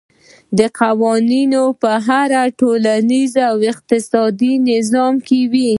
دا قوانین په هر ټولنیز او اقتصادي نظام کې وي.